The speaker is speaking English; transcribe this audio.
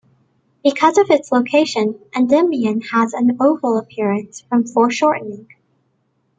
Because of its location, Endymion has an oval appearance from foreshortening.